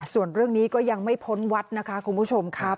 ส่วนเรื่องนี้ก็ยังไม่พ้นวัดนะคะคุณผู้ชมครับ